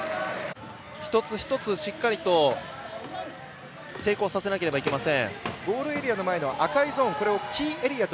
一つ一つしっかりと成功させなければいけません。